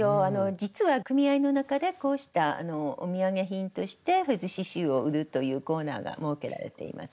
実は組合の中でこうしたお土産品としてフェズ刺しゅうを売るというコーナーが設けられています。